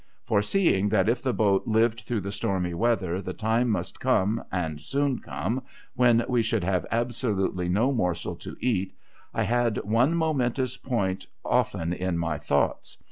Foreseeing that if the boat lived through the stormy weather, the time must come, and soon come, when we should have absolutely no morsel to eat, I had one momentous point often in my thoughts.